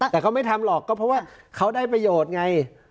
แต่เขาไม่ทำหรอกก็เพราะว่าเขาได้ประโยชน์ไง